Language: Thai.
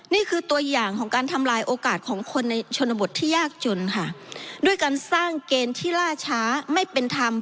นี่คือตัวอย่างของการทำลายโอกาสของคนในชนบทที่ยากจนค่ะด้วยการสร้างเกณฑ์ที่ล่าช้าไม่เป็นธรรม